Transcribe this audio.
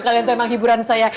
kalian itu emang hiburan saya